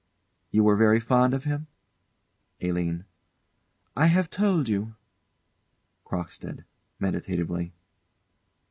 You were very fond of him? ALINE. I have told you. CROCKSTEAD. [_Meditatively.